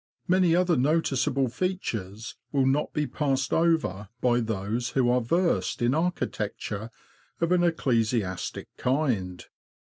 Many other noticeable features will not be passed over by those who are versed in architecture of an ecclesiastic kind.